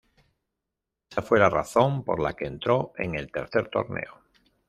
Ésa fue la razón por la que entró en el tercer torneo.